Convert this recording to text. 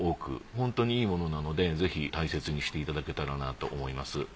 本当にいいものなのでぜひ大切にしていただけたらなと思います。